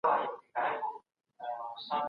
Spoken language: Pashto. کارخانې څنګه د بازار قیمتونه ټاکي؟